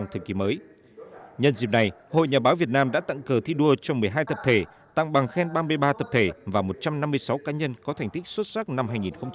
nhân dịp này hội nhà báo việt nam đã tặng cờ thi đua cho một mươi hai tập thể tặng bằng khen ba mươi ba tập thể và một trăm năm mươi sáu cá nhân có thành tích xuất sắc năm hai nghìn một mươi tám